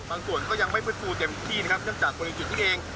ส่วนก็ยังไม่ฟื้นฟูเต็มที่นะครับเนื่องจากบริเวณจุดนี้เอง